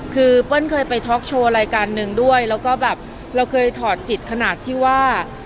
คือเปิ้ลเคยไปท็อกโชว์รายการหนึ่งด้วยแล้วก็แบบเราเคยถอดจิตขนาดที่ว่า